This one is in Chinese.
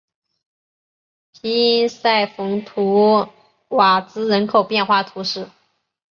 皮伊塞蓬图瓦兹人口变化图示